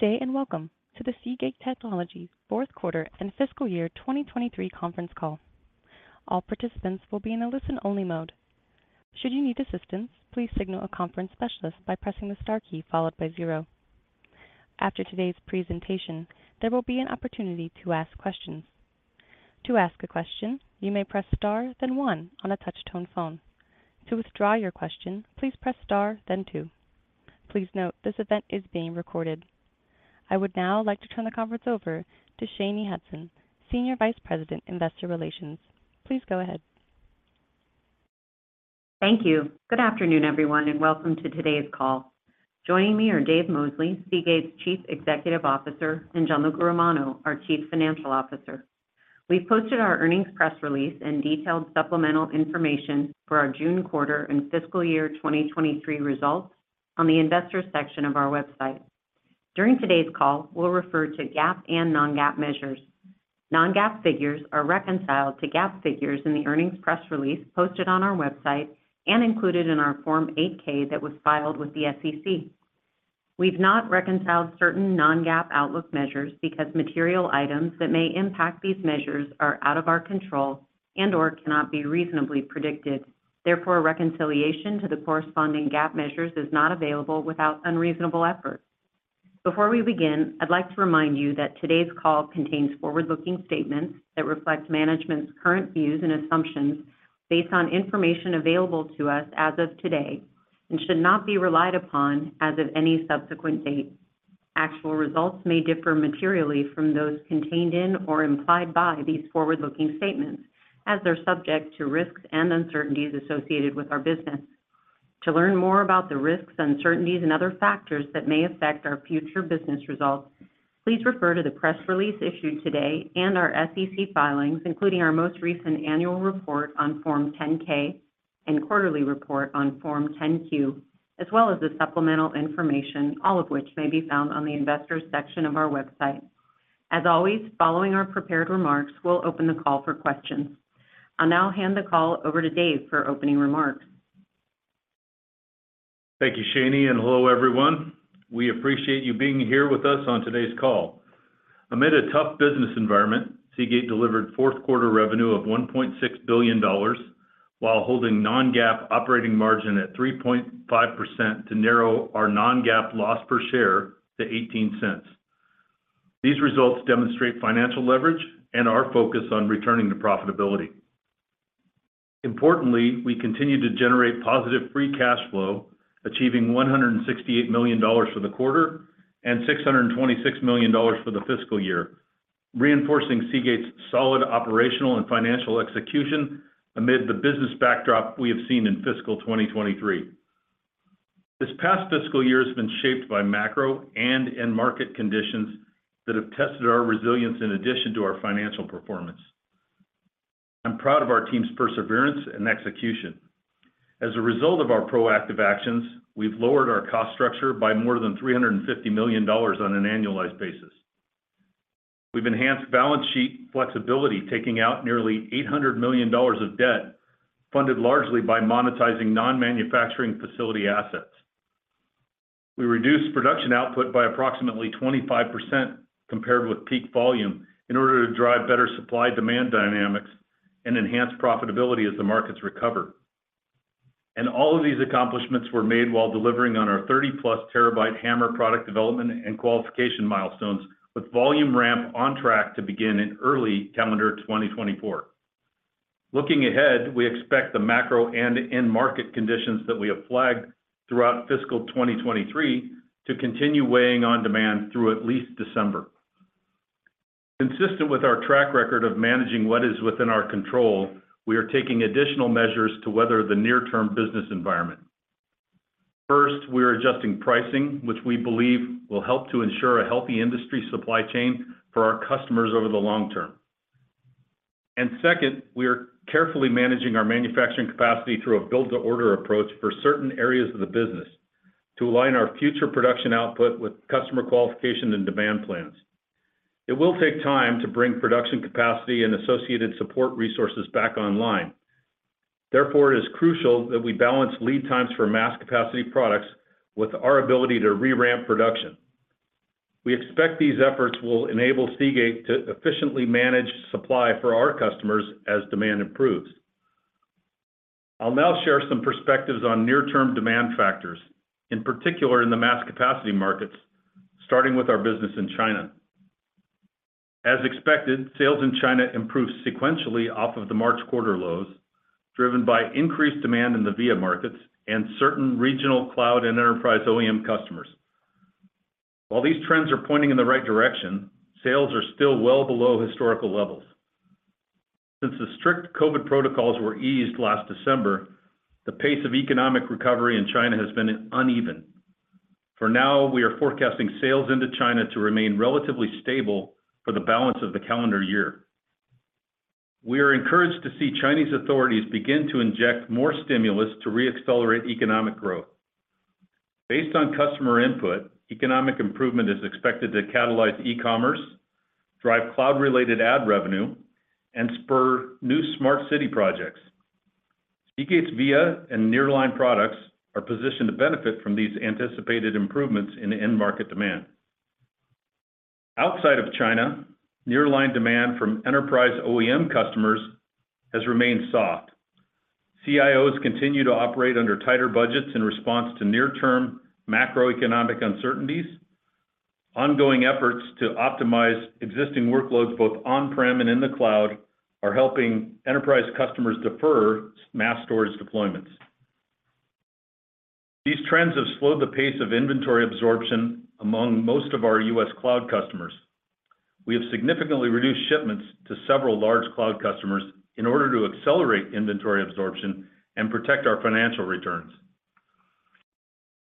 Good day, and welcome to the Seagate Technology fourth quarter and fiscal year 2023 conference call. All participants will be in a listen-only mode. Should you need assistance, please signal a conference specialist by pressing the star key followed by zero. After today's presentation, there will be an opportunity to ask questions. To ask a question, you may press star, then one on a touch-tone phone. To withdraw your question, please press star, then two. Please note, this event is being recorded. I would now like to turn the conference over to Shanye Hudson, Senior Vice President, Investor Relations. Please go ahead. Thank you. Good afternoon, everyone, and welcome to today's call. Joining me are Dave Mosley, Seagate's Chief Executive Officer, and Gianluca Romano, our Chief Financial Officer. We've posted our earnings press release and detailed supplemental information for our June quarter and fiscal year 2023 results on the investors section of our website. During today's call, we'll refer to GAAP and non-GAAP measures. Non-GAAP figures are reconciled to GAAP figures in the earnings press release posted on our website and included in our Form 8-K that was filed with the SEC. We've not reconciled certain non-GAAP outlook measures because material items that may impact these measures are out of our control and/or cannot be reasonably predicted. Therefore, a reconciliation to the corresponding GAAP measures is not available without unreasonable effort. Before we begin, I'd like to remind you that today's call contains forward-looking statements that reflect management's current views and assumptions based on information available to us as of today and should not be relied upon as of any subsequent date. Actual results may differ materially from those contained in or implied by these forward-looking statements, as they're subject to risks and uncertainties associated with our business. To learn more about the risks, uncertainties, and other factors that may affect our future business results, please refer to the press release issued today and our SEC filings, including our most recent annual report on Form 10-K and quarterly report on Form 10-Q, as well as the supplemental information, all of which may be found on the Investors section of our website. As always, following our prepared remarks, we'll open the call for questions. I'll now hand the call over to Dave for opening remarks. Thank you, Shanye, and hello, everyone. We appreciate you being here with us on today's call. Amid a tough business environment, Seagate delivered fourth quarter revenue of $1.6 billion, while holding non-GAAP operating margin at 3.5% to narrow our non-GAAP loss per share to $0.18. These results demonstrate financial leverage and our focus on returning to profitability. Importantly, we continue to generate positive free cash flow, achieving $168 million for the quarter and $626 million for the fiscal year, reinforcing Seagate's solid operational and financial execution amid the business backdrop we have seen in fiscal 2023. This past fiscal year has been shaped by macro and end market conditions that have tested our resilience in addition to our financial performance. I'm proud of our team's perseverance and execution. As a result of our proactive actions, we've lowered our cost structure by more than $350 million on an annualized basis. We've enhanced balance sheet flexibility, taking out nearly $800 million of debt, funded largely by monetizing non-manufacturing facility assets. We reduced production output by approximately 25% compared with peak volume in order to drive better supply-demand dynamics and enhance profitability as the markets recover. All of these accomplishments were made while delivering on our 30-plus TB HAMR product development and qualification milestones, with volume ramp on track to begin in early calendar 2024. Looking ahead, we expect the macro and end market conditions that we have flagged throughout fiscal 2023 to continue weighing on demand through at least December. Consistent with our track record of managing what is within our control, we are taking additional measures to weather the near-term business environment. First, we are adjusting pricing, which we believe will help to ensure a healthy industry supply chain for our customers over the long term. Second, we are carefully managing our manufacturing capacity through a build-to-order approach for certain areas of the business to align our future production output with customer qualification and demand plans. It will take time to bring production capacity and associated support resources back online. Therefore, it is crucial that we balance lead times for mass capacity products with our ability to re-ramp production. We expect these efforts will enable Seagate to efficiently manage supply for our customers as demand improves. I'll now share some perspectives on near-term demand factors, in particular in the mass capacity markets, starting with our business in China. As expected, sales in China improved sequentially off of the March quarter lows, driven by increased demand in the VIA markets and certain regional cloud and enterprise OEM customers. While these trends are pointing in the right direction, sales are still well below historical levels. Since the strict COVID protocols were eased last December, the pace of economic recovery in China has been uneven. For now, we are forecasting sales into China to remain relatively stable for the balance of the calendar year. We are encouraged to see Chinese authorities begin to inject more stimulus to re-accelerate economic growth. Based on customer input, economic improvement is expected to catalyze e-commerce, drive cloud-related ad revenue, and spur new smart city projects. Seagate's VIA and Nearline products are positioned to benefit from these anticipated improvements in end market demand. Outside of China, Nearline demand from enterprise OEM customers has remained soft. CIOs continue to operate under tighter budgets in response to near-term macroeconomic uncertainties. Ongoing efforts to optimize existing workloads, both on-prem and in the cloud, are helping enterprise customers defer mass storage deployments. These trends have slowed the pace of inventory absorption among most of our U.S. cloud customers. We have significantly reduced shipments to several large cloud customers in order to accelerate inventory absorption and protect our financial returns.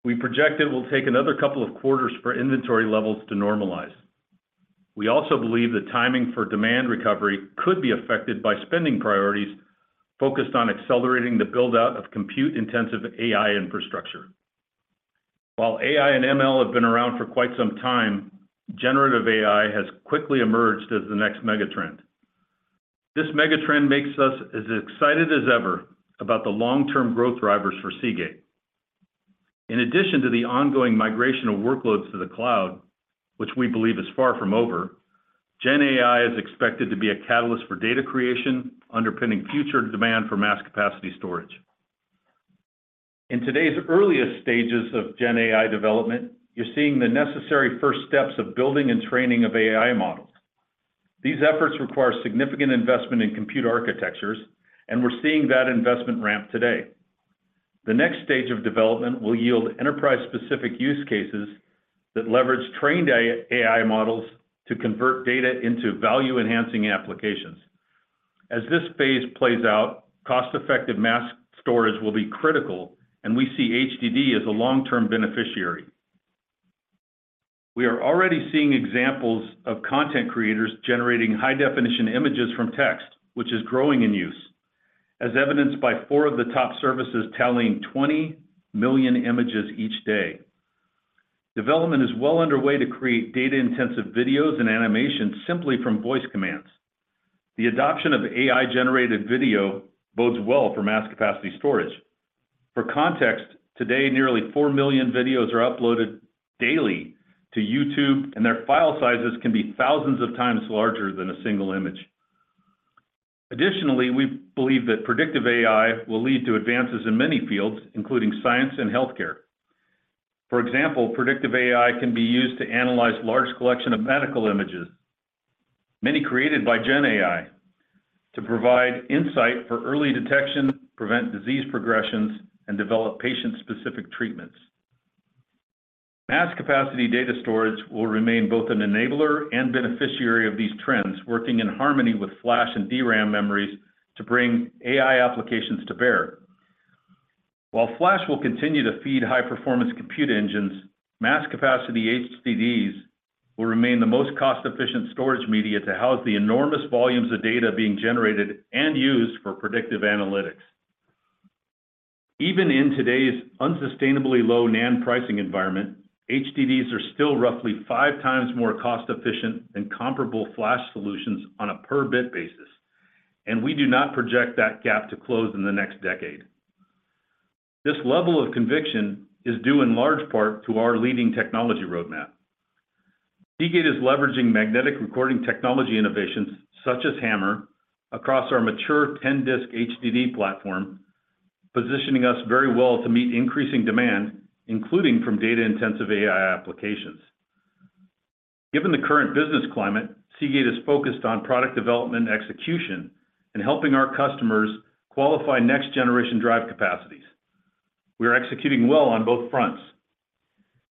We project it will take another couple of quarters for inventory levels to normalize. We also believe the timing for demand recovery could be affected by spending priorities focused on accelerating the build-out of compute-intensive AI infrastructure. While AI and ML have been around for quite some time, generative AI has quickly emerged as the next mega trend. This mega trend makes us as excited as ever about the long-term growth drivers for Seagate. In addition to the ongoing migration of workloads to the cloud, which we believe is far from over, GenAI is expected to be a catalyst for data creation, underpinning future demand for mass capacity storage. In today's earliest stages of GenAI development, you're seeing the necessary first steps of building and training of AI models. These efforts require significant investment in compute architectures, and we're seeing that investment ramp today. The next stage of development will yield enterprise-specific use cases that leverage trained AI models to convert data into value-enhancing applications. As this phase plays out, cost-effective mass storage will be critical, and we see HDD as a long-term beneficiary. We are already seeing examples of content creators generating high-definition images from text, which is growing in use, as evidenced by four of the top services tallying 20 million images each day. Development is well underway to create data-intensive videos and animations simply from voice commands. The adoption of AI-generated video bodes well for mass capacity storage. For context, today, nearly 4 million videos are uploaded daily to YouTube, and their file sizes can be thousands of times larger than a single image. Additionally, we believe that predictive AI will lead to advances in many fields, including science and healthcare. For example, predictive AI can be used to analyze large collection of medical images, many created by GenAI, to provide insight for early detection, prevent disease progressions, and develop patient-specific treatments. Mass capacity data storage will remain both an enabler and beneficiary of these trends, working in harmony with Flash and DRAM memories to bring AI applications to bear. While Flash will continue to feed high-performance compute engines, mass capacity HDDs will remain the most cost-efficient storage media to house the enormous volumes of data being generated and used for predictive analytics. Even in today's unsustainably low NAND pricing environment, HDDs are still roughly five times more cost-efficient than comparable Flash solutions on a per bit basis, and we do not project that gap to close in the next decade. This level of conviction is due in large part to our leading technology roadmap. Seagate is leveraging magnetic recording technology innovations, such as HAMR, across our mature 10-disk HDD platform, positioning us very well to meet increasing demand, including from data-intensive AI applications. Given the current business climate, Seagate is focused on product development and execution and helping our customers qualify next-generation drive capacities. We are executing well on both fronts.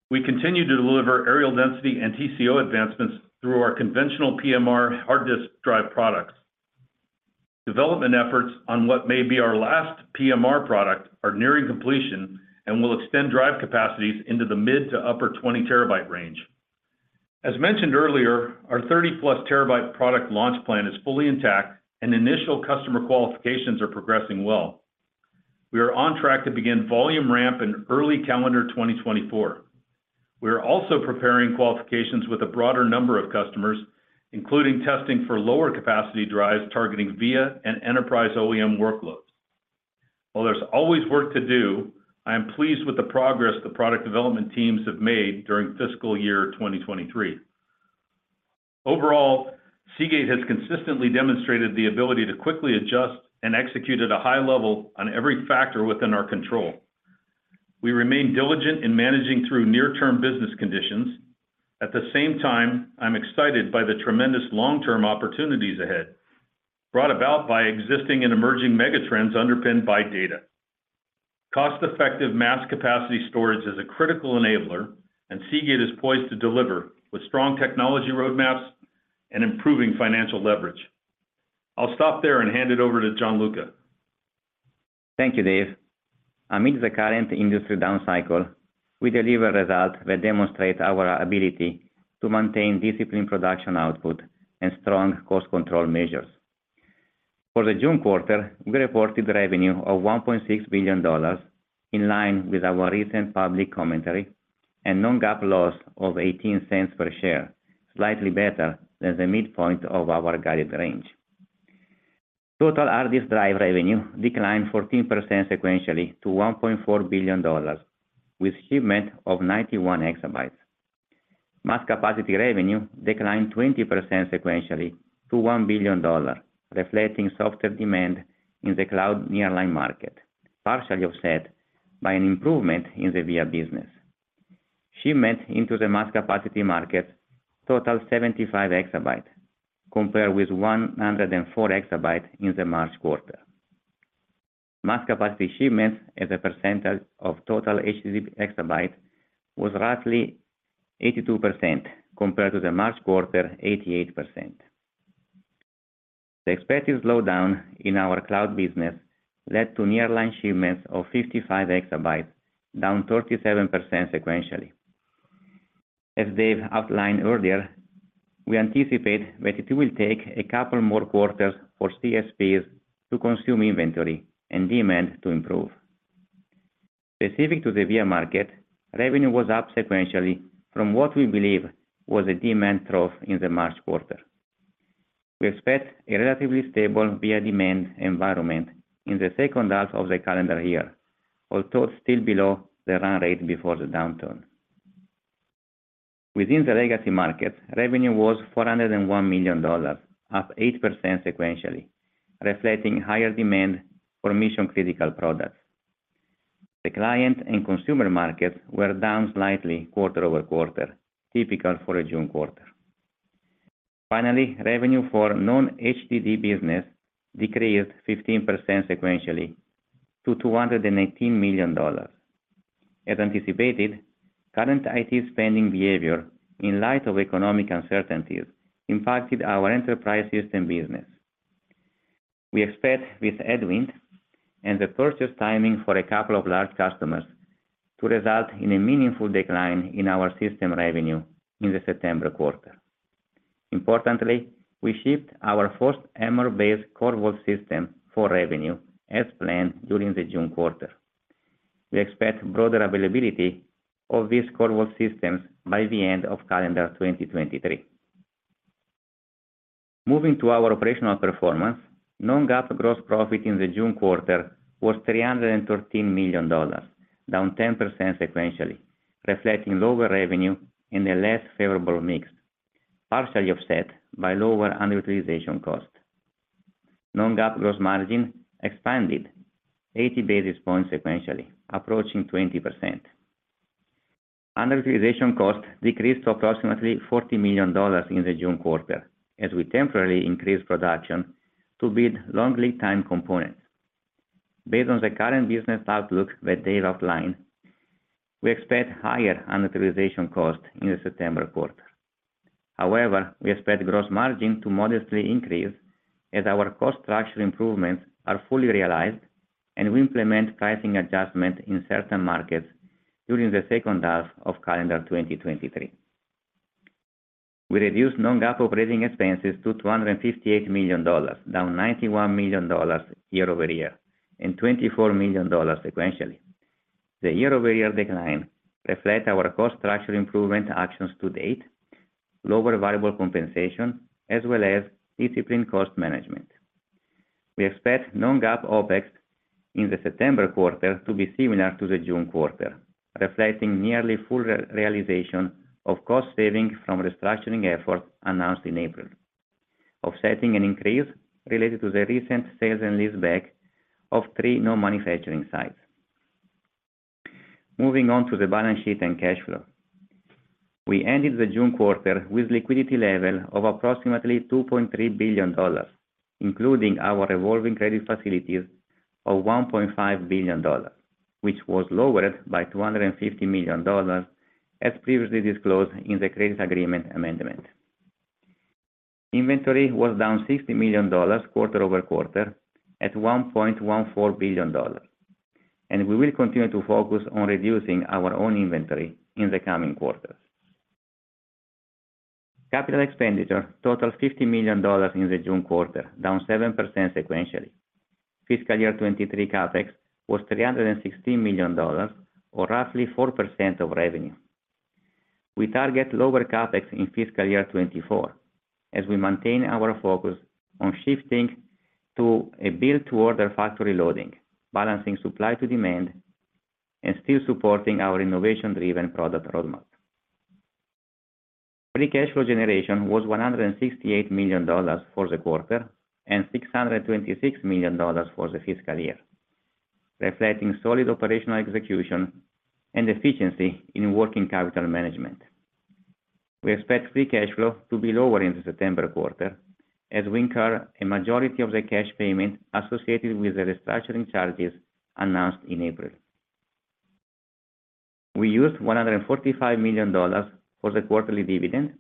We continue to deliver areal density and TCO advancements through our conventional PMR hard disk drive products. Development efforts on what may be our last PMR product are nearing completion and will extend drive capacities into the mid to upper 20 TB range. As mentioned earlier, our 30-plus TB product launch plan is fully intact, and initial customer qualifications are progressing well. We are on track to begin volume ramp in early calendar 2024. We are also preparing qualifications with a broader number of customers, including testing for lower capacity drives targeting VIA and enterprise OEM workloads. While there's always work to do, I am pleased with the progress the product development teams have made during fiscal year 2023. Overall, Seagate has consistently demonstrated the ability to quickly adjust and execute at a high level on every factor within our control. We remain diligent in managing through near-term business conditions. At the same time, I'm excited by the tremendous long-term opportunities ahead, brought about by existing and emerging mega trends underpinned by data. Cost-effective mass capacity storage is a critical enabler, and Seagate is poised to deliver with strong technology roadmaps and improving financial leverage. I'll stop there and hand it over to Gianluca. Thank you, Dave. Amidst the current industry downcycle, we deliver results that demonstrate our ability to maintain disciplined production output and strong cost control measures. For the June quarter, we reported revenue of $1.6 billion, in line with our recent public commentary, and non-GAAP loss of $0.18 per share, slightly better than the midpoint of our guided range. Total hard disk drive revenue declined 14% sequentially to $1.4 billion, with shipment of 91 EB. Mass capacity revenue declined 20% sequentially to $1 billion, reflecting softer demand in the cloud Nearline market, partially offset by an improvement in the VIA business. Shipments into the mass capacity market total 75 EB, compared with 104 EB in the March quarter. Mass capacity shipments as a percentage of total HDD EB was roughly 82% compared to the March quarter, 88%. The expected slowdown in our cloud business led to Nearline shipments of 55 EB, down 37% sequentially. As Dave outlined earlier, we anticipate that it will take a couple more quarters for CSPs to consume inventory and demand to improve. Specific to the VIA market, revenue was up sequentially from what we believe was a demand trough in the March quarter. We expect a relatively stable VIA demand environment in the second half of the calendar year, although still below the run rate before the downturn. Within the legacy market, revenue was $401 million, up 8% sequentially, reflecting higher demand for mission-critical products. The client and consumer markets were down slightly quarter-over-quarter, typical for a June quarter. Revenue for non-HDD business decreased 15% sequentially to $218 million. As anticipated, current IT spending behavior in light of economic uncertainties impacted our enterprise system business. We expect this headwind and the purchase timing for a couple of large customers to result in a meaningful decline in our system revenue in the September quarter. We shipped our first HAMR-based CORVAULT system for revenue as planned during the June quarter. We expect broader availability of these CORVAULT systems by the end of calendar 2023. Moving to our operational performance, non-GAAP gross profit in the June quarter was $313 million, down 10% sequentially, reflecting lower revenue and a less favorable mix, partially offset by lower underutilization costs. Non-GAAP gross margin expanded 80 basis points sequentially, approaching 20%. Underutilization cost decreased to approximately $40 million in the June quarter, as we temporarily increased production to build long lead time components. Based on the current business outlook that Dave outlined, we expect higher underutilization cost in the September quarter. We expect gross margin to modestly increase as our cost structure improvements are fully realized, and we implement pricing adjustment in certain markets during the second half of calendar 2023. We reduced non-GAAP operating expenses to $258 million, down $91 million year-over-year, and $24 million sequentially. The year-over-year decline reflect our cost structure improvement actions to date, lower variable compensation, as well as disciplined cost management. We expect non-GAAP OpEx in the September quarter to be similar to the June quarter, reflecting nearly full re-realization of cost savings from restructuring efforts announced in April, offsetting an increase related to the recent sales and leaseback of three non-manufacturing sites. Moving on to the balance sheet and cash flow. We ended the June quarter with liquidity level of approximately $2.3 billion, including our revolving credit facilities of $1.5 billion, which was lowered by $250 million, as previously disclosed in the credit agreement amendment. Inventory was down $60 million quarter-over-quarter at $1.14 billion, and we will continue to focus on reducing our own inventory in the coming quarters. Capital expenditure totaled $50 million in the June quarter, down 7% sequentially. Fiscal year 2023 CapEx was $316 million, or roughly 4% of revenue. We target lower CapEx in fiscal year 2024, as we maintain our focus on shifting to a build toward our factory loading, balancing supply to demand, and still supporting our innovation-driven product roadmap. Free cash flow generation was $168 million for the quarter, and $626 million for the fiscal year, reflecting solid operational execution and efficiency in working capital management. We expect free cash flow to be lower in the September quarter as we incur a majority of the cash payment associated with the restructuring charges announced in April. We used $145 million for the quarterly dividend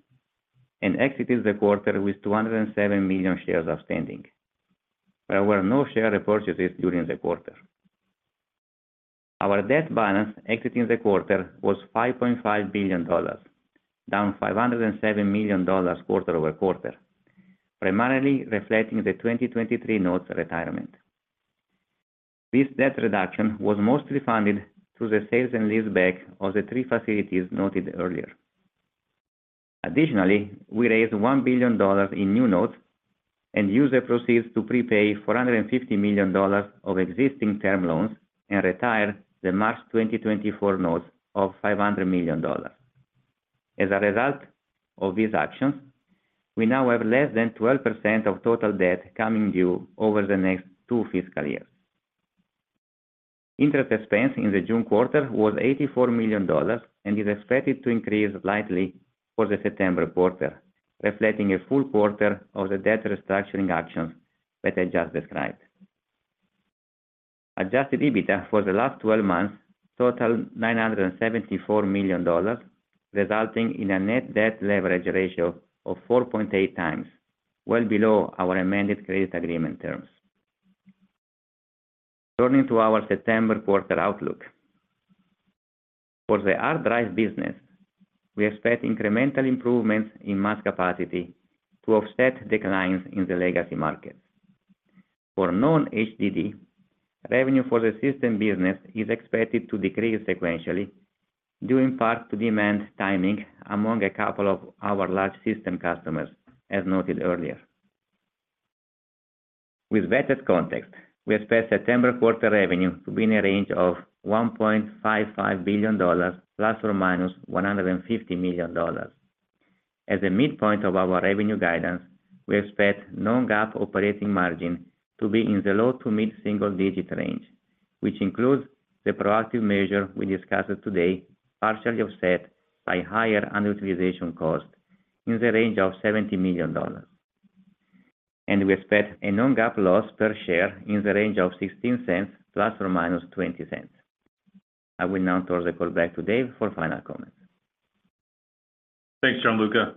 and exited the quarter with 207 million shares outstanding. There were no share repurchases during the quarter. Our debt balance exiting the quarter was $5.5 billion, down $507 million quarter-over-quarter, primarily reflecting the 2023 notes retirement. This debt reduction was mostly funded through the sales and leaseback of the three facilities noted earlier. Additionally, we raised $1 billion in new notes and used the proceeds to prepay $450 million of existing term loans and retire the March 2024 notes of $500 million. As a result of these actions, we now have less than 12% of total debt coming due over the next two fiscal years. Interest expense in the June quarter was $84 million and is expected to increase slightly for the September quarter, reflecting a full quarter of the debt restructuring actions that I just described. Adjusted EBITDA for the last 12 months totaled $974 million, resulting in a net debt leverage ratio of 4.8 times, well below our amended credit agreement terms. Turning to our September quarter outlook. For the hard drive business, we expect incremental improvements in mass capacity to offset declines in the legacy market. For non-HDD, revenue for the system business is expected to decrease sequentially, due in part to demand timing among a couple of our large system customers, as noted earlier. With better context, we expect September quarter revenue to be in a range of $1.55 billion ±$150 million. At the midpoint of our revenue guidance, we expect non-GAAP operating margin to be in the low to mid-single digit range, which includes the proactive measure we discussed today, partially offset by higher underutilization cost in the range of $70 million. We expect a non-GAAP loss per share in the range of $0.16 to ± $0.20. I will now turn the call back to Dave for final comments. Thanks, Gianluca.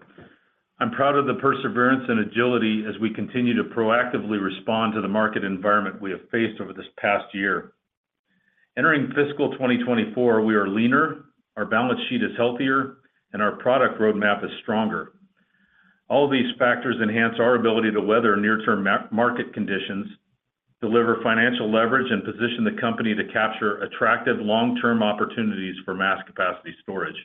I'm proud of the perseverance and agility as we continue to proactively respond to the market environment we have faced over this past year. Entering fiscal 2024, we are leaner, our balance sheet is healthier, and our product roadmap is stronger. All these factors enhance our ability to weather near-term market conditions, deliver financial leverage, and position the company to capture attractive long-term opportunities for mass capacity storage.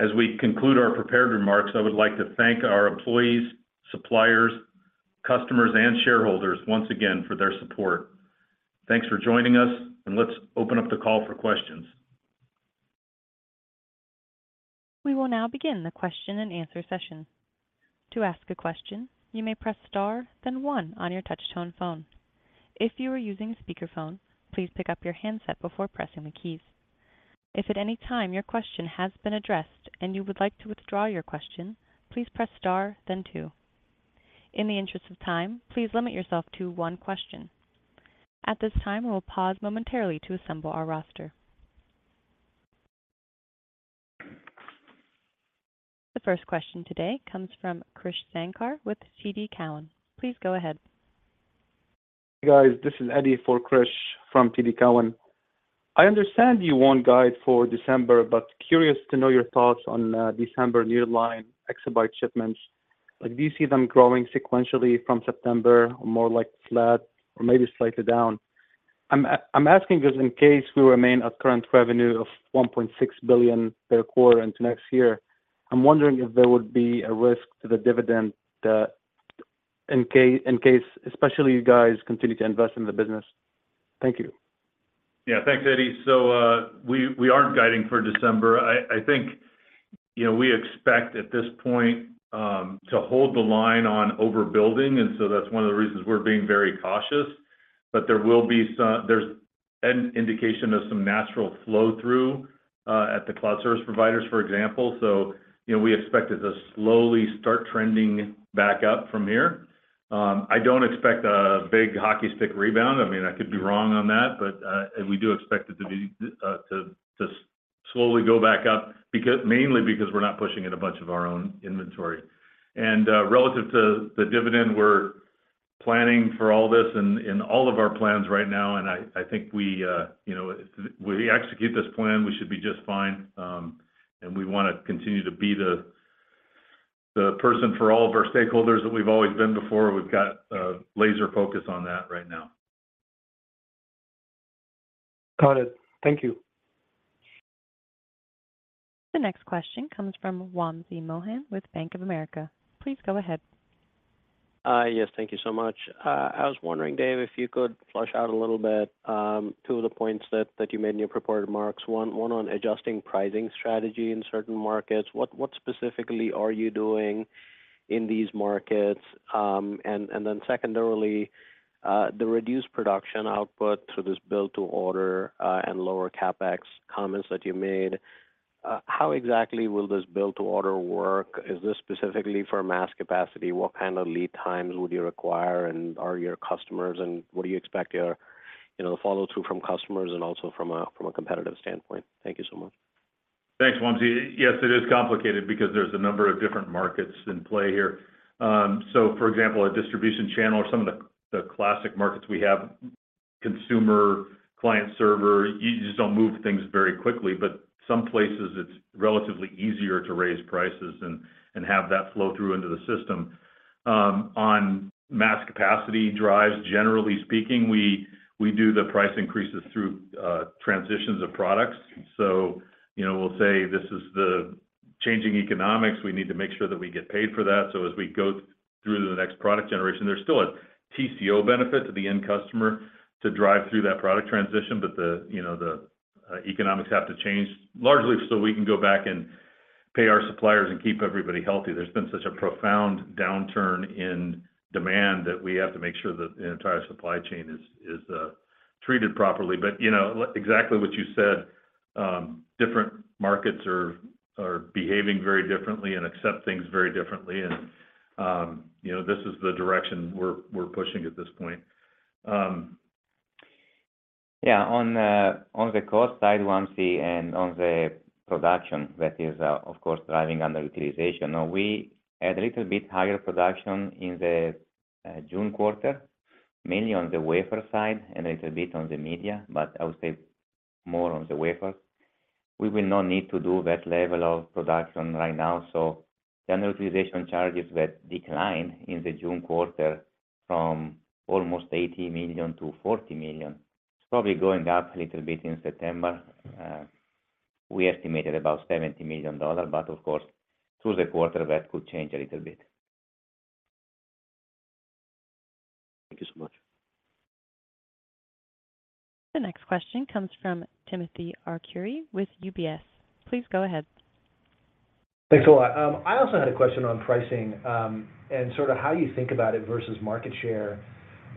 As we conclude our prepared remarks, I would like to thank our employees, suppliers, customers, and shareholders once again for their support. Thanks for joining us, and let's open up the call for questions. We will now begin the question and answer session. To ask a question, you may press star, then one on your touch tone phone. If you are using a speakerphone, please pick up your handset before pressing the keys. If at any time your question has been addressed and you would like to withdraw your question, please press star then two. In the interest of time, please limit yourself to one question. At this time, we will pause momentarily to assemble our roster. The first question today comes from Krish Sankar with TD Cowen. Please go ahead. Guys, this is Eddie for Krish from TD Cowen. I understand you won't guide for December, but curious to know your thoughts on Nearline EB shipments. Like, do you see them growing sequentially from September or more like flat or maybe slightly down? I'm asking because in case we remain at current revenue of $1.6 billion per quarter into next year, I'm wondering if there would be a risk to the dividend in case, especially you guys continue to invest in the business. Thank you. Yeah, thanks, Eddie. We aren't guiding for December. I think, you know, we expect at this point, to hold the line on overbuilding, and so that's one of the reasons we're being very cautious. There will be there's an indication of some natural flow-through, at the cloud service providers, for example. We expect it to slowly start trending back up from here. I don't expect a big hockey stick rebound. I mean, I could be wrong on that, but, and we do expect it to be, to slowly go back up, mainly because we're not pushing in a bunch of our own inventory. Relative to the dividend, we're planning for all this in all of our plans right now, and I think we, you know, if we execute this plan, we should be just fine. We wanna continue to be the person for all of our stakeholders that we've always been before. We've got a laser focus on that right now. Got it. Thank you. The next question comes from Wamsi Mohan with Bank of America. Please go ahead. Yes, thank you so much. I was wondering, Dave, if you could flesh out a little bit, two of the points that you made in your prepared remarks. One on adjusting pricing strategy in certain markets. What specifically are you doing in these markets? Secondarily, the reduced production output through this build-to-order and lower CapEx comments that you made. How exactly will this build-to-order work? Is this specifically for mass capacity? What kind of lead times would you require, are your customers, and what do you expect your, you know, follow-through from customers and also from a competitive standpoint? Thank you so much. Thanks, Wamsi. Yes, it is complicated because there's a number of different markets in play here. So for example, a distribution channel or some of the classic markets we have, consumer, client server, you just don't move things very quickly. Some places it's relatively easier to raise prices and have that flow through into the system. On mass capacity drives, generally speaking, we do the price increases through transitions of products. You know, we'll say, This is the changing economics. We need to make sure that we get paid for that. As we go through to the next product generation, there's still a TCO benefit to the end customer to drive through that product transition, but you know, the economics have to change, largely so we can go back and pay our suppliers and keep everybody healthy. There's been such a profound downturn in demand, that we have to make sure that the entire supply chain is treated properly. You know, exactly what you said, different markets are behaving very differently and accept things very differently, and you know, this is the direction we're pushing at this point. Yeah, on the cost side, one, see, on the production, that is, of course, driving underutilization. We had a little bit higher production in the June quarter, mainly on the wafer side and a little bit on the media, but I would say more on the wafer. We will not need to do that level of production right now, the underutilization charges that declined in the June quarter from almost $80 million to $40 million. It's probably going up a little bit in September. We estimated about $70 million, of course, through the quarter, that could change a little bit. Thank you so much. The next question comes from Timothy Arcuri with UBS. Please go ahead. Thanks a lot. I also had a question on pricing, and sort of how you think about it versus market share.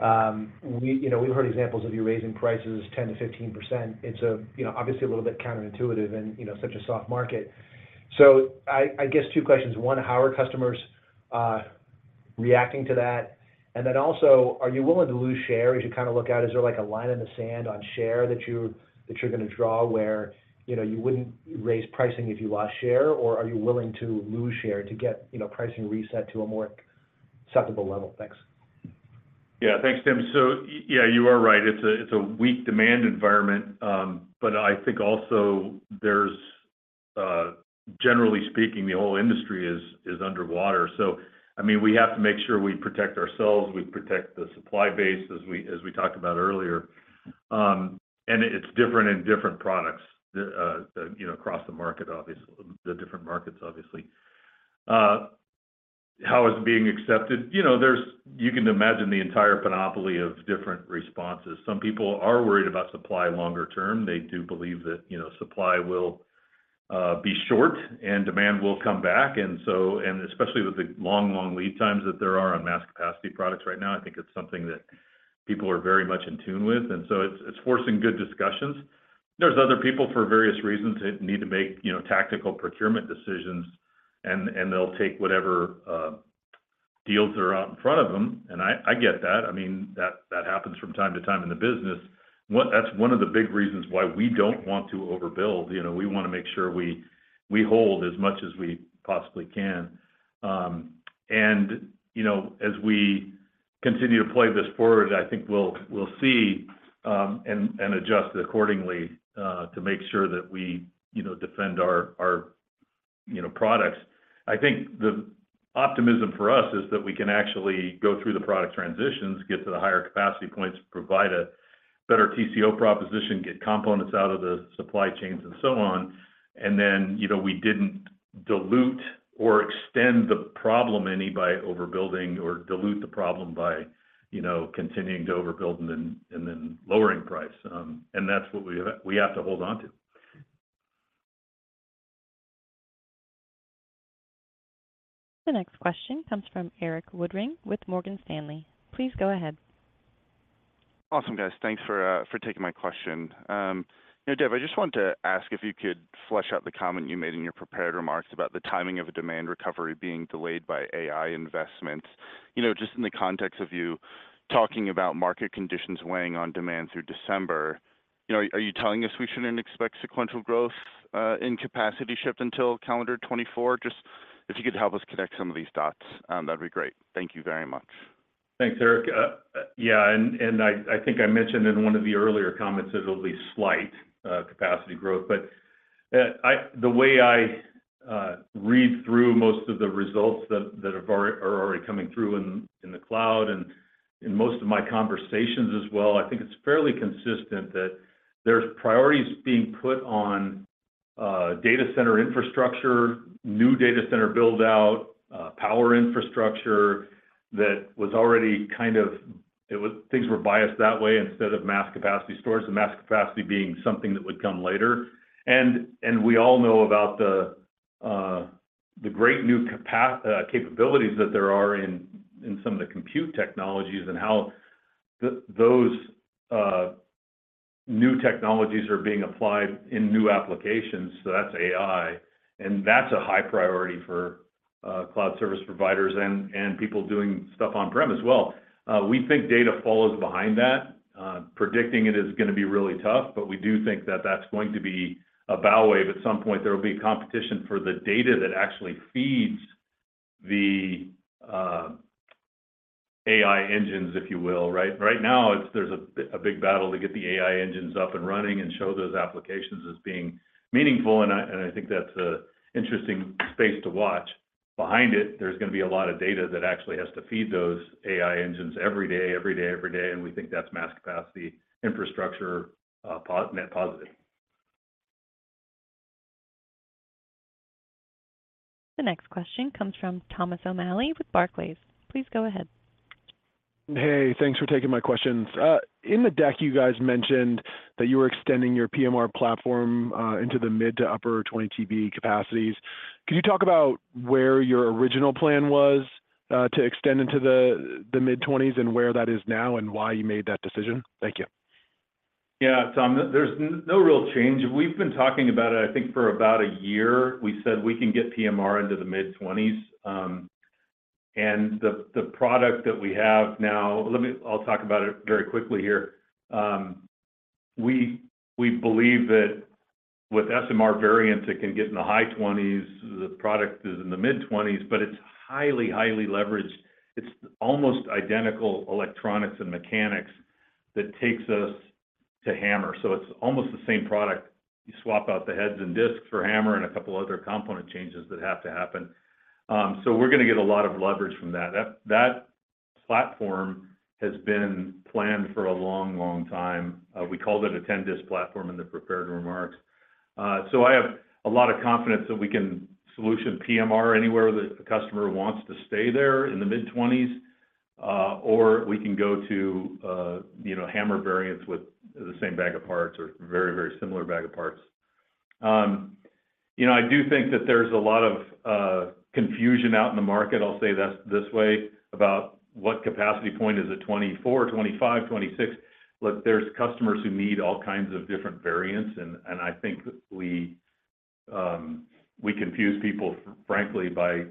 You know, we've heard examples of you raising prices 10%-15%. It's, you know, obviously a little bit counterintuitive in, you know, such a soft market. I guess two questions. One, how are customers reacting to that? Then also, are you willing to lose share as you kind of look out? Is there like a line in the sand on share that you're gonna draw where, you know, you wouldn't raise pricing if you lost share, or are you willing to lose share to get, you know, pricing reset to a more acceptable level? Thanks. Yeah. Thanks, Tim. Yeah, you are right. It's a, it's a weak demand environment, but I think also there's, generally speaking, the whole industry is underwater. I mean, we have to make sure we protect ourselves, we protect the supply base, as we, as we talked about earlier. It's different in different products, you know, across the market, obviously, the different markets, obviously. How is it being accepted? You know, you can imagine the entire panoply of different responses. Some people are worried about supply longer term. They do believe that, you know, supply will be short and demand will come back. Especially with the long, long lead times that there are on mass capacity products right now, I think it's something that people are very much in tune with. It's forcing good discussions. There's other people, for various reasons, that need to make, you know, tactical procurement decisions, and they'll take whatever deals are out in front of them, and I get that. I mean, that happens from time to time in the business. That's one of the big reasons why we don't want to overbuild, you know? We want to make sure we hold as much as we possibly can. You know, as we continue to play this forward, I think we'll see, and adjust accordingly, to make sure that we, you know, defend our, you know, products. I think the optimism for us is that we can actually go through the product transitions, get to the higher capacity points, provide a better TCO proposition, get components out of the supply chains, and so on. You know, we didn't dilute or extend the problem any by overbuilding or dilute the problem by, you know, continuing to overbuild and then lowering price. That's what we have to hold on to. The next question comes from Erik Woodring with Morgan Stanley. Please go ahead. Awesome, guys. Thanks for taking my question. You know, Dave, I just wanted to ask if you could flesh out the comment you made in your prepared remarks about the timing of a demand recovery being delayed by AI investments. You know, just in the context of you talking about market conditions weighing on demand through December, you know, are you telling us we shouldn't expect sequential growth in capacity shipped until calendar 2024? Just if you could help us connect some of these dots, that'd be great. Thank you very much. Thanks, Eric. Yeah, and I think I mentioned in one of the earlier comments that it'll be slight capacity growth. The way I read through most of the results that are already coming through in the cloud and in most of my conversations as well, I think it's fairly consistent that there's priorities being put on data center infrastructure, new data center build-out, power infrastructure, that was already kind of, things were biased that way instead of mass capacity stores, the mass capacity being something that would come later. We all know about the great new capabilities that there are in some of the compute technologies, and how those new technologies are being applied in new applications. That's AI, and that's a high priority for cloud service providers and people doing stuff on-prem as well. We think data follows behind that. Predicting it is gonna be really tough, we do think that that's going to be a bow wave. At some point, there will be competition for the data that actually feeds the AI engines, if you will, right. Right now, there's a big battle to get the AI engines up and running and show those applications as being meaningful, I think that's a interesting space to watch. Behind it, there's gonna be a lot of data that actually has to feed those AI engines every day, every day, every day, and we think that's mass capacity infrastructure, net positive. The next question comes from Thomas O'Malley with Barclays. Please go ahead. Hey, thanks for taking my questions. In the deck, you guys mentioned that you were extending your PMR platform, into the mid to upper 20 TB capacities. Can you talk about where your original plan was, to extend into the mid-20s, and where that is now, and why you made that decision? Thank you. Yeah, Tom, there's no real change. We've been talking about it, I think, for about a year. We said we can get PMR into the mid-twenties. The product that we have now, I'll talk about it very quickly here. We believe that with SMR variants, it can get in the high twenties. The product is in the mid-twenties, but it's highly leveraged. It's almost identical electronics and mechanics that takes us to HAMR, so it's almost the same product. You swap out the heads and disks for HAMR and a couple other component changes that have to happen. We're gonna get a lot of leverage from that. That platform has been planned for a long, long time. We called it a 10-disk platform in the prepared remarks. I have a lot of confidence that we can solution PMR anywhere the customer wants to stay there in the mid-20s, or we can go to, you know, HAMR variants with the same bag of parts or very, very similar bag of parts. You know, I do think that there's a lot of confusion out in the market, I'll say that's this way, about what capacity point is it, 24, 25, 26? Look, there's customers who need all kinds of different variants, and I think we confuse people, frankly, by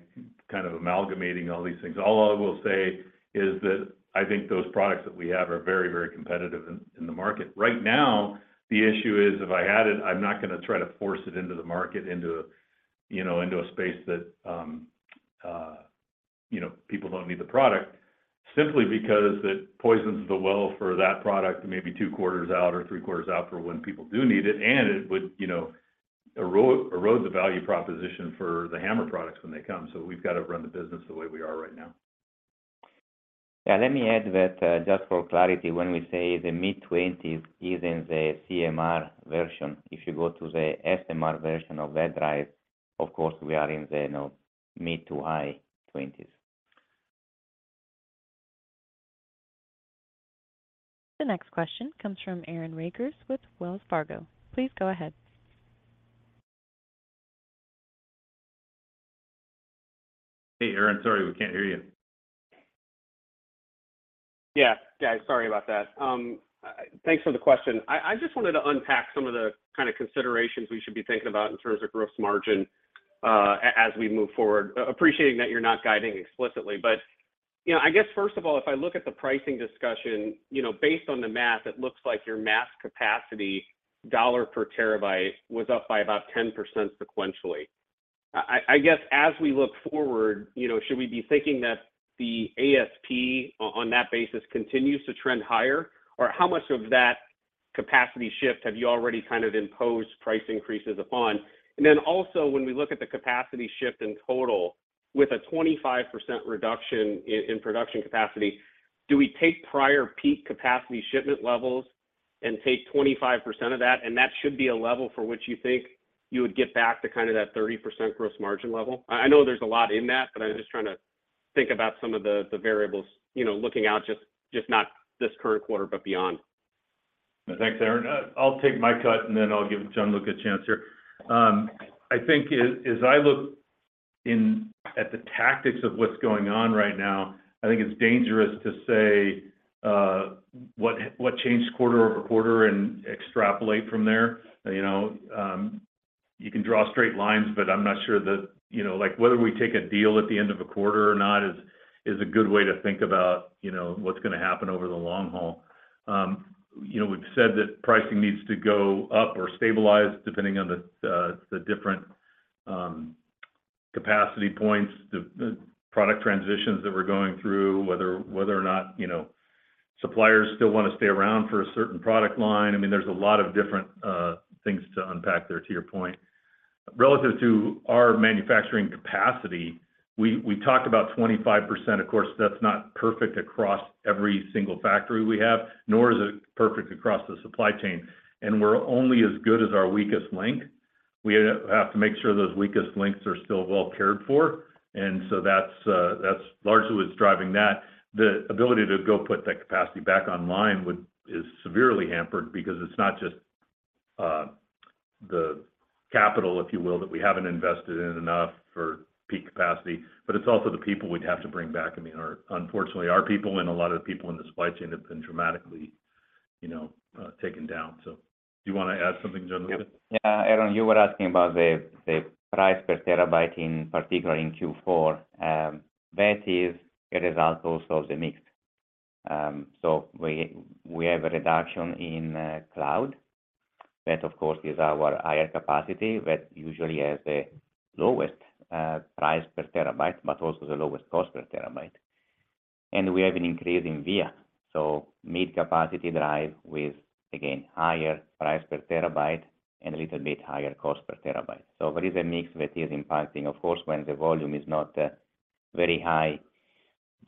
kind of amalgamating all these things. All I will say is that I think those products that we have are very, very competitive in the market. Right now, the issue is, if I had it, I'm not gonna try to force it into the market, into a, you know, into a space that, you know, people don't need the product. Simply because it poisons the well for that product, maybe two quarters out or three quarters out for when people do need it, and it would, you know, erode the value proposition for the HAMR products when they come. We've got to run the business the way we are right now. Let me add that, just for clarity, when we say the mid-twenties is in the CMR version, if you go to the SMR version of that drive, of course, we are in the, you know, mid to high twenties. The next question comes from Aaron Rakers with Wells Fargo. Please go ahead. Hey, Aaron, sorry, we can't hear you. Yeah. Yeah, sorry about that. Thanks for the question. I just wanted to unpack some of the kind of considerations we should be thinking about in terms of gross margin, as we move forward, appreciating that you're not guiding explicitly. You know, I guess, first of all, if I look at the pricing discussion, you know, based on the math, it looks like your mass capacity, $ per TB, was up by about 10% sequentially. I guess, as we look forward, you know, should we be thinking that the ASP on that basis continues to trend higher? How much of that capacity shift have you already kind of imposed price increases upon? Also, when we look at the capacity shift in total, with a 25% reduction in production capacity, do we take prior peak capacity shipment levels and take 25% of that, and that should be a level for which you think you would get back to kind of that 30% gross margin level? I know there's a lot in that, but I'm just trying to think about some of the variables, you know, looking out, just not this current quarter, but beyond. Thanks, Aaron. I'll take my cut, and then I'll give Gianluca a chance here. I think as I look at the tactics of what's going on right now, I think it's dangerous to say, what changed quarter-over-quarter and extrapolate from there. You know, you can draw straight lines, but I'm not sure that, you know, like, whether we take a deal at the end of a quarter or not is a good way to think about, you know, what's gonna happen over the long haul. You know, we've said that pricing needs to go up or stabilize, depending on the different capacity points, the product transitions that we're going through, whether or not, you know, suppliers still want to stay around for a certain product line. I mean, there's a lot of different things to unpack there, to your point. Relative to our manufacturing capacity, we talked about 25%. Of course, that's not perfect across every single factory we have, nor is it perfect across the supply chain. We're only as good as our weakest link. We have to make sure those weakest links are still well cared for. That's largely what's driving that. The ability to go put that capacity back online is severely hampered because it's not just the capital, if you will, that we haven't invested in enough for peak capacity, but it's also the people we'd have to bring back. I mean, unfortunately, our people and a lot of people in the supply chain have been dramatically, you know, taken down. Do you want to add something, Gianluca? Yeah, Aaron, you were asking about the price per TB, in particular in Q4. That is a result also of the mix. So we have a reduction in cloud. That, of course, is our higher capacity, that usually has the lowest price per TB, but also the lowest cost per TB, and we have an increase in Nearline, so mid capacity drive with, again, higher price per TB and a little bit higher cost per TB. So there is a mix that is impacting. Of course, when the volume is not very high,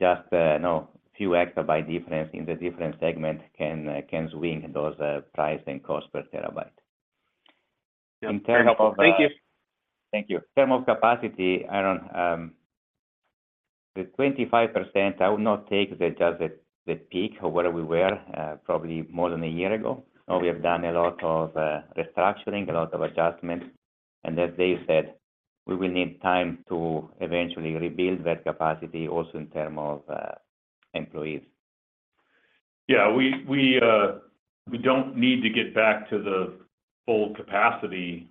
just, you know, few EB difference in the different segment can swing those price and cost per TB. In terms of... Thank you. Thank you. In term of capacity, Aaron, the 25%, I would not take the peak of where we were probably more than a year ago. We have done a lot of restructuring, a lot of adjustments. As Dave said, we will need time to eventually rebuild that capacity also in term of employees. Yeah, we don't need to get back to the full capacity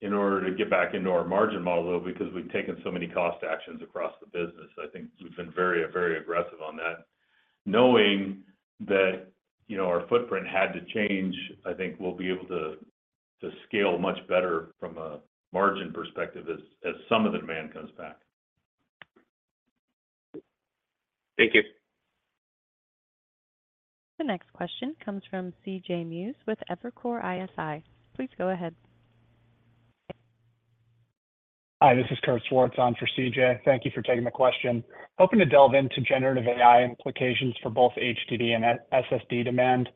in order to get back into our margin model, though, because we've taken so many cost actions across the business. I think we've been very aggressive on that. Knowing that, you know, our footprint had to change, I think we'll be able to scale much better from a margin perspective as some of the demand comes back. Thank you. The next question comes from C.J. Muse with Evercore ISI. Please go ahead. Hi, this is Kurt Swartz on for C.J. Thank you for taking the question. Hoping to delve into generative AI implications for both HDD and SSD demand.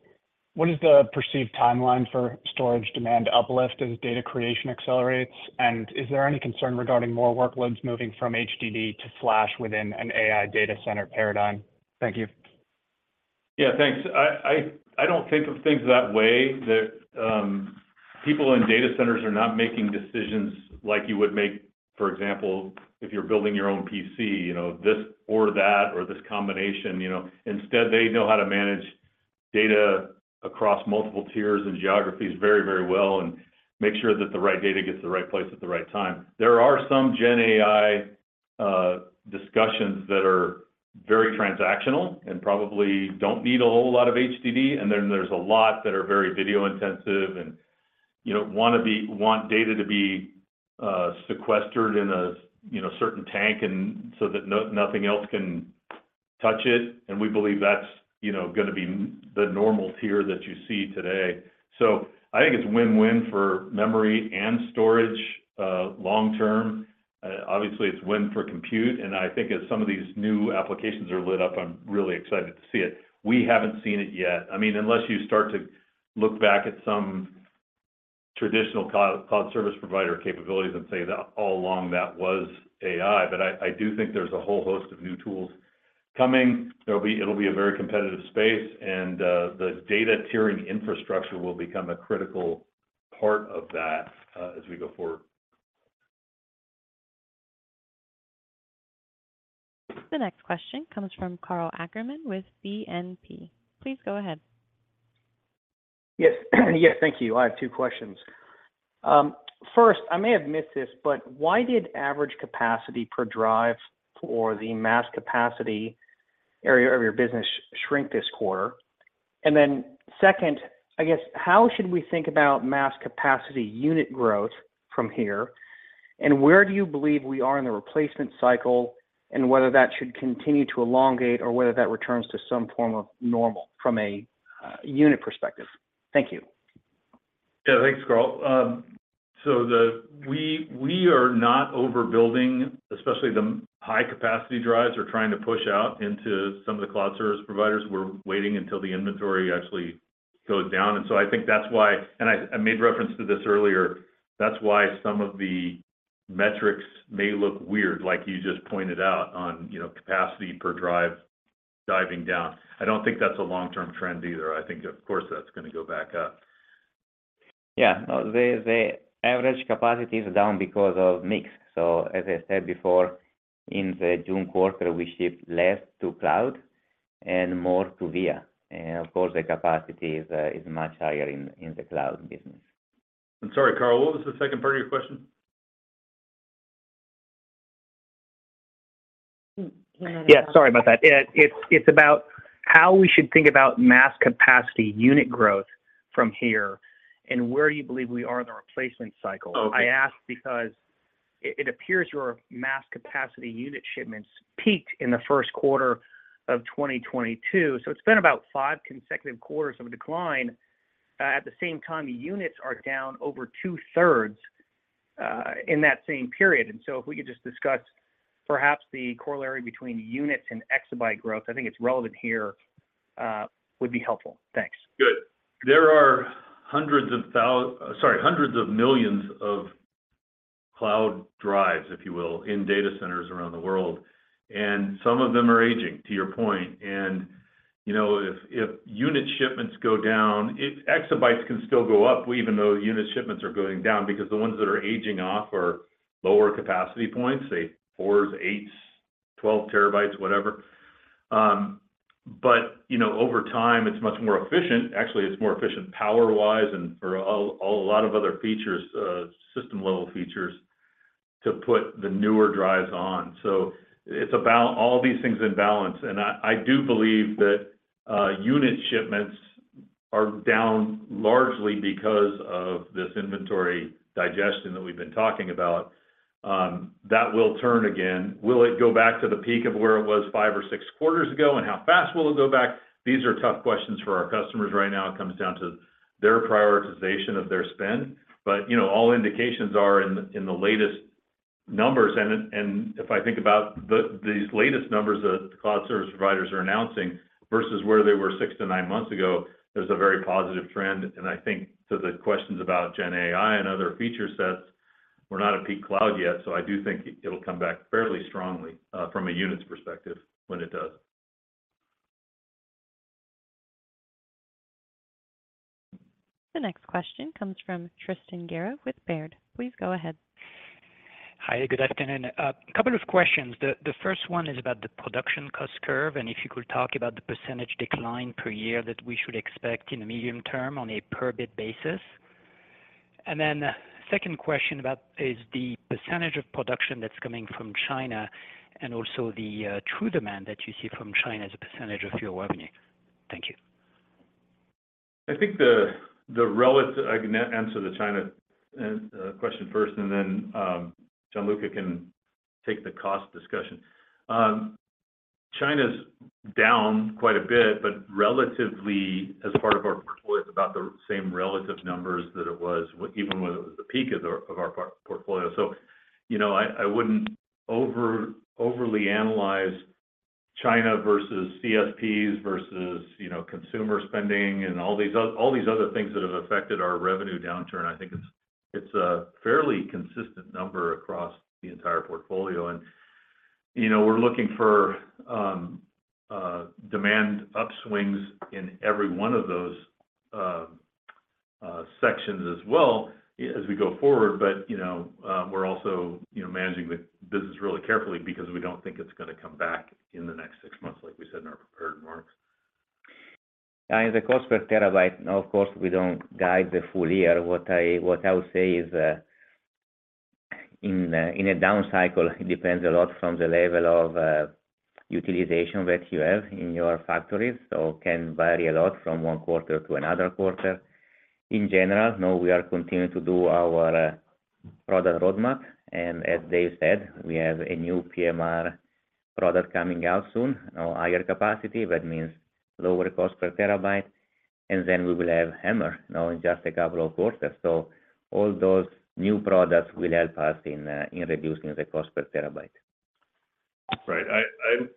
What is the perceived timeline for storage demand uplift as data creation accelerates? Is there any concern regarding more workloads moving from HDD to Flash within an AI data center paradigm? Thank you. Thanks. I don't think of things that way, that people in data centers are not making decisions like you would make, for example, if you're building your own PC, you know, this or that, or this combination, you know. Instead, they know how to manage data across multiple tiers and geographies very, very well, and make sure that the right data gets to the right place at the right time. There are some GenAI discussions that are very transactional and probably don't need a whole lot of HDD, and then there's a lot that are very video-intensive and, you know, want data to be sequestered in a, you know, certain tank and so that nothing else can touch it. We believe that's, you know, gonna be the normal tier that you see today. I think it's win-win for memory and storage, long term. Obviously, it's win for compute, and I think as some of these new applications are lit up, I'm really excited to see it. We haven't seen it yet. I mean, unless you start to look back at some traditional cloud service provider capabilities and say that all along, that was AI. I do think there's a whole host of new tools coming. It'll be a very competitive space, and the data tiering infrastructure will become a critical part of that as we go forward. The next question comes from Karl Ackerman with BNP. Please go ahead. Yes. Yes, thank you. I have two questions. First, I may have missed this, but why did average capacity per drive or the mass capacity area of your business shrink this quarter? Second, I guess, how should we think about mass capacity unit growth from here? Where do you believe we are in the replacement cycle, and whether that should continue to elongate or whether that returns to some form of normal from a unit perspective? Thank you. Yeah, thanks, Karl. We are not overbuilding, especially the high capacity drives or trying to push out into some of the cloud service providers. We're waiting until the inventory actually goes down. I think that's why, I made reference to this earlier, that's why some of the metrics may look weird, like you just pointed out on, you know, capacity per drive diving down. I don't think that's a long-term trend either. I think, of course, that's gonna go back up. Yeah. No, the average capacity is down because of mix. As I said before, in the June quarter, we shipped less to cloud and more to VIA, and of course, the capacity is much higher in the cloud business. I'm sorry, Karl, what was the second part of your question? He might- Yeah, sorry about that. It's about how we should think about mass capacity unit growth from here, and where you believe we are in the replacement cycle. Okay. I ask because it appears your mass capacity unit shipments peaked in the first quarter of 2022, so it's been about five consecutive quarters of a decline. At the same time, the units are down over two-thirds in that same period. If we could just discuss perhaps the corollary between units and EB growth, I think it's relevant here, would be helpful. Thanks. Good. There are hundreds of millions of cloud drives, if you will, in data centers around the world. Some of them are aging, to your point. You know, if unit shipments go down, EB can still go up, even though unit shipments are going down, because the ones that are aging off are lower capacity points, say, 4, 8, 12 TB, whatever. You know, over time, it's much more efficient. Actually, it's more efficient power-wise and for a lot of other features, system-level features to put the newer drives on. It's about all these things in balance. I do believe that unit shipments are down largely because of this inventory digestion that we've been talking about. That will turn again. Will it go back to the peak of where it was five or six quarters ago, and how fast will it go back? These are tough questions for our customers right now. You know, all indications are in the, in the latest numbers, and if I think about the, these latest numbers that cloud service providers are announcing versus where they were six to nine months ago, there's a very positive trend. And I think to the questions about GenAI and other feature sets, we're not at peak cloud yet, so I do think it'll come back fairly strongly from a unit's perspective when it does. The next question comes from Tristan Gerra with Baird. Please go ahead. Hi, good afternoon. couple of questions. The first one is about the production cost curve, and if you could talk about the percentage decline per year that we should expect in the medium term on a per bit basis? Second question is the percentage of production that's coming from China, also the true demand that you see from China as a percentage of your revenue? Thank you. I think the relative-- I can answer the China question first, and then Gianluca can take the cost discussion. China's down quite a bit, but relatively, as part of our portfolio, it's about the same relative numbers that it was even when it was the peak of our portfolio. You know, I wouldn't overly analyze China versus CSPs versus, you know, consumer spending and all these other things that have affected our revenue downturn. I think it's a fairly consistent number across the entire portfolio and, you know, we're looking for demand upswings in every one of those sections as well as we go forward. You know, we're also, you know, managing the business really carefully because we don't think it's gonna come back in the next 6 months, like we said in our prepared remarks. The cost per TB, now, of course, we don't guide the full year. What I would say is, in a down cycle, it depends a lot from the level of utilization that you have in your factories, so can vary a lot from one quarter to another quarter. In general, now we are continuing to do our product roadmap, and as Dave said, we have a new PMR product coming out soon. Now, higher capacity, that means lower cost per TB, and then we will have HAMR, now, in just a couple of quarters. All those new products will help us in reducing the cost per TB.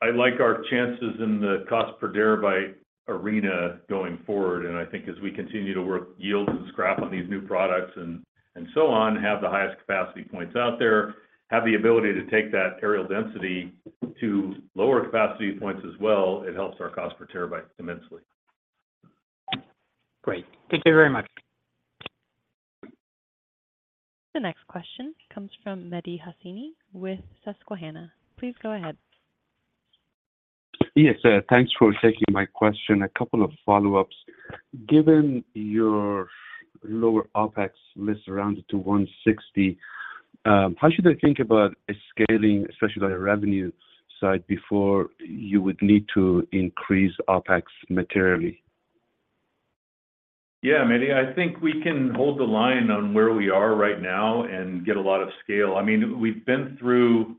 I like our chances in the cost per TB arena going forward, and I think as we continue to work yields and scrap on these new products and so on, have the highest capacity points out there, have the ability to take that areal density to lower capacity points as well, it helps our cost per TB immensely. Great. Thank you very much. The next question comes from Mehdi Hosseini with Susquehanna. Please go ahead. Yes, thanks for taking my question. A couple of follow-ups. Given your lower OpEx list rounded to $160, how should I think about a scaling, especially on the revenue side, before you would need to increase OpEx materially? Yeah, Mehdi, I think we can hold the line on where we are right now and get a lot of scale. I mean, we've been through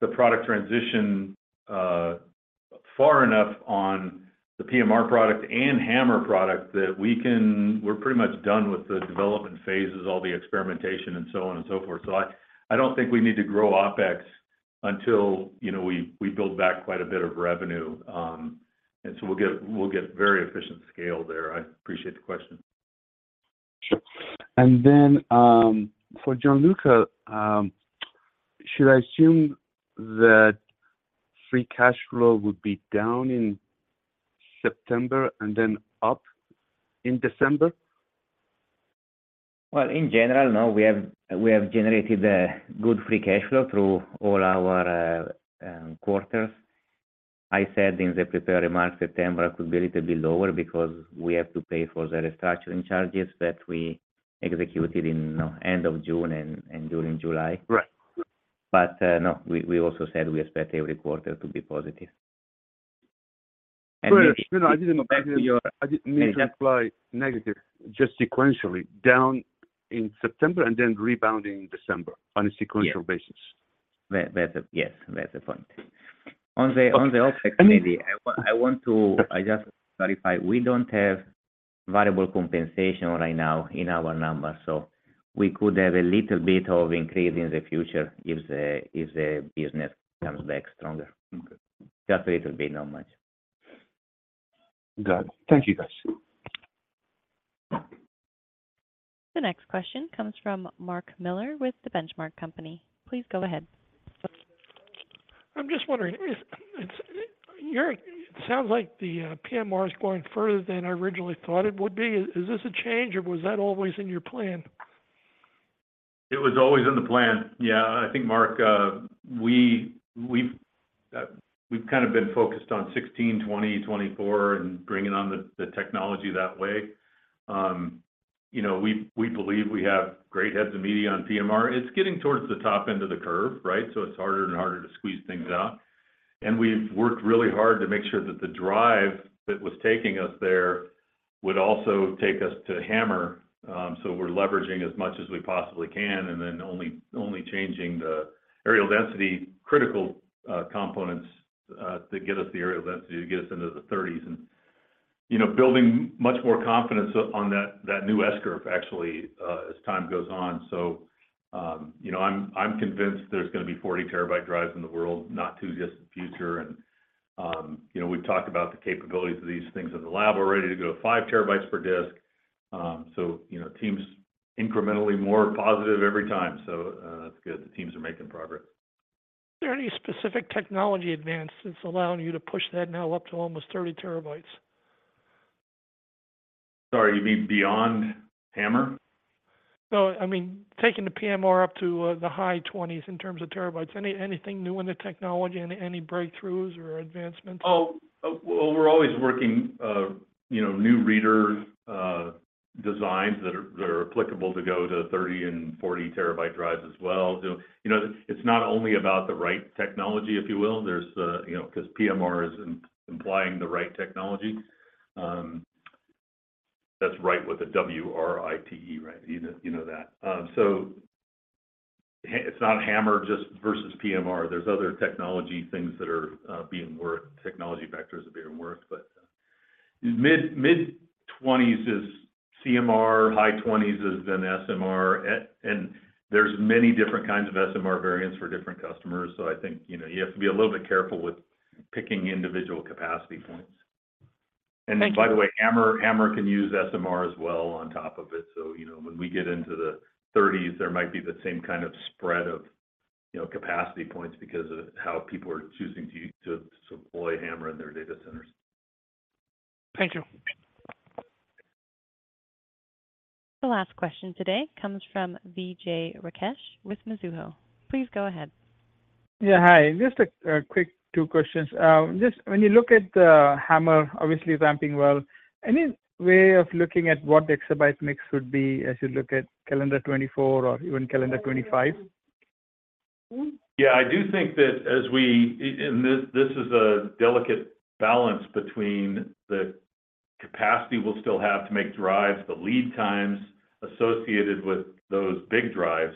the product transition far enough on the PMR product and HAMR product that we're pretty much done with the development phases, all the experimentation and so on and so forth. I don't think we need to grow OpEx until, you know, we build back quite a bit of revenue. We'll get very efficient scale there. I appreciate the question. Sure. For Gianluca, should I assume that free cash flow would be down in September and then up in December? Well, in general, now we have generated a good free cash flow through all our quarters. I said in the prepared remarks, September could be a little bit lower because we have to pay for the restructuring charges that we executed in, you know, end of June and during July. Right. No, we also said we expect every quarter to be positive. No, I didn't mean. Yeah. I didn't mean to imply negative, just sequentially down in September and then rebounding in December on a sequential-. Yeah... basis. That's a... Yes, that's the point. On the OpEx maybe- And- I want. Sure... I just clarify, we don't have variable compensation right now in our numbers, so we could have a little bit of increase in the future if the, if the business comes back stronger. Okay. Just a little bit, not much. Got it. Thank you, guys. The next question comes from Mark Miller with The Benchmark Company. Please go ahead. I'm just wondering, it sounds like the PMR is going further than I originally thought it would be. Is this a change, or was that always in your plan? It was always in the plan. Yeah, I think, Mark, we've kind of been focused on 16, 20, 24, and bringing on the technology that way. You know, we believe we have great heads of media on PMR. It's getting towards the top end of the curve, right? It's harder and harder to squeeze things out, and we've worked really hard to make sure that the drive that was taking us there would also take us to HAMR. We're leveraging as much as we possibly can, and then only changing the areal density critical components to get us the areal density to get us into the 30s. You know, building much more confidence on that new S-curve actually, as time goes on. You know, I'm convinced there's gonna be 40 TB drives in the world, not too distant future. You know, we've talked about the capabilities of these things in the lab. We're ready to go to 5 TB per disk. You know, team's incrementally more positive every time, so that's good. The teams are making progress. Is there any specific technology advance that's allowing you to push that now up to almost 30 TB? Sorry, you mean beyond HAMR? No, I mean, taking the PMR up to the high twenties in terms of TB. Anything new in the technology, any breakthroughs or advancements? Well, we're always working, you know, new reader designs that are applicable to go to 30 and 40 TB drives as well. You know, it's not only about the right technology, if you will. There's, you know, because PMR is implying the write technology. That's write with a W-R-I-T-E, write. You know, you know that. It's not HAMR just versus PMR. There's other technology things that are being worked, technology vectors that are being worked. Mid-20s is CMR, high-20s is then SMR, and there's many different kinds of SMR variants for different customers. I think, you know, you have to be a little bit careful with picking individual capacity points. Thank you. By the way, HAMR can use SMR as well on top of it. You know, when we get into the thirties, there might be the same kind of spread of, you know, capacity points because of how people are choosing to deploy HAMR in their data centers. Thank you. The last question today comes from Vijay Rakesh with Mizuho. Please go ahead. Yeah, hi. Just a quick 2 questions. Just when you look at HAMR, obviously ramping well, any way of looking at what the EB mix would be as you look at calendar 2024 or even calendar 2025? Yeah, I do think that as we, this is a delicate balance between the capacity we'll still have to make drives, the lead times associated with those big drives,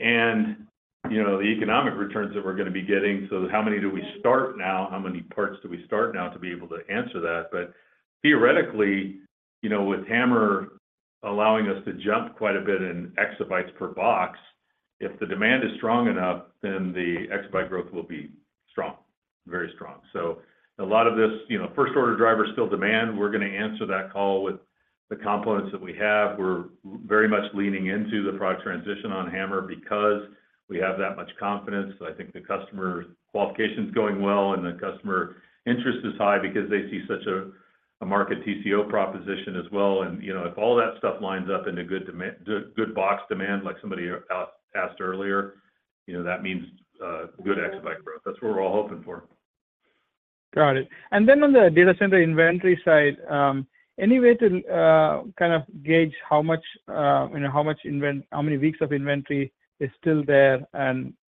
and, you know, the economic returns that we're gonna be getting. How many do we start now? How many parts do we start now to be able to answer that? Theoretically, you know, with HAMR allowing us to jump quite a bit in EB per box, if the demand is strong enough, then the EB growth will be strong, very strong. A lot of this, you know, first-order driver is still demand. We're gonna answer that call with the components that we have. We're very much leaning into the product transition on HAMR because we have that much confidence. I think the customer qualification is going well, the customer interest is high because they see such a market TCO proposition as well. You know, if all that stuff lines up into good box demand, like somebody asked earlier, you know, that means good EB growth. That's what we're all hoping for. Got it. Then on the data center inventory side, any way to kind of gauge how much, you know, how many weeks of inventory is still there?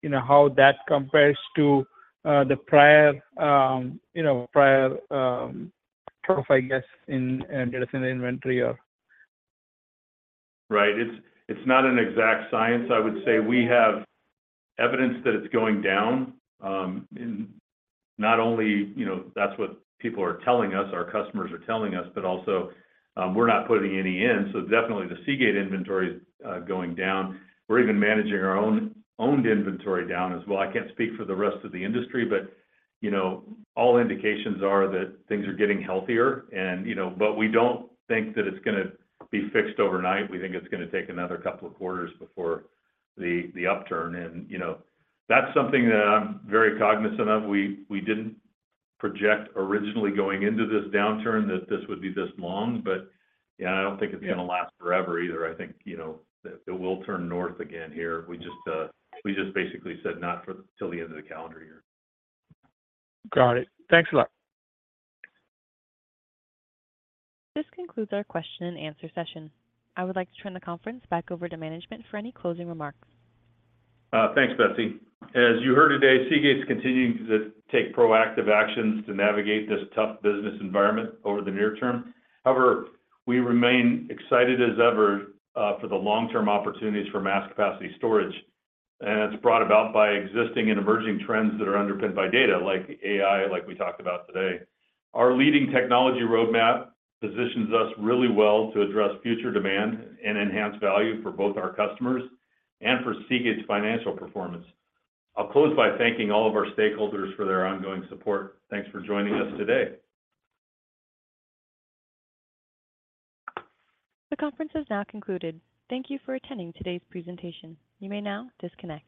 You know, how that compares to the prior, you know, prior profile, I guess, in data center inventory or? Right. It's, it's not an exact science. I would say we have evidence that it's going down, and not only, you know, that's what people are telling us, our customers are telling us, but also, we're not putting any in. Definitely the Seagate inventory is going down. We're even managing our own owned inventory down as well. I can't speak for the rest of the industry, but, you know, all indications are that things are getting healthier and, you know. We don't think that it's gonna be fixed overnight. We think it's gonna take another couple of quarters before the upturn and, you know. That's something that I'm very cognizant of. We didn't project originally going into this downturn that this would be this long, but, yeah, I don't think it's gonna last forever either. I think, you know, that it will turn north again here. We just basically said not for till the end of the calendar year. Got it. Thanks a lot. This concludes our question and answer session. I would like to turn the conference back over to management for any closing remarks. Thanks, Betsy. As you heard today, Seagate is continuing to take proactive actions to navigate this tough business environment over the near term. However, we remain excited as ever for the long-term opportunities for mass capacity storage, and it's brought about by existing and emerging trends that are underpinned by data like AI, like we talked about today. Our leading technology roadmap positions us really well to address future demand and enhance value for both our customers and for Seagate's financial performance. I'll close by thanking all of our stakeholders for their ongoing support. Thanks for joining us today. The conference is now concluded. Thank you for attending today's presentation. You may now disconnect.